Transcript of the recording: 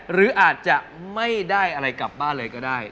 หรืออาจจะไม่ได้อะไรกลับบ้านเลยก็ได้